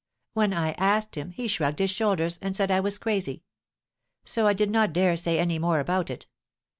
When I asked him, he shrugged up his shoulders, and said I was crazy; so I did not dare say any more about it.